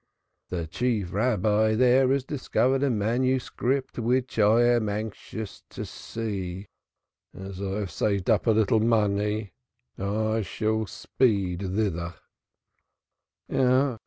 The Chief Rabbi there has discovered a manuscript which I am anxious to see, and as I have saved up a little money I shall speed thither."